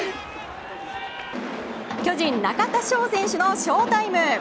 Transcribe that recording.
巨人、中田翔選手のショータイム。